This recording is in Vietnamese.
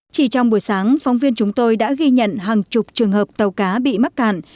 chỉ trong buổi sáng phóng viên chúng tôi đã ghi nhận hàng chục trường hợp tàu cá bị mắc cạn